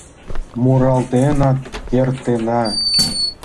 Муралтенат кертына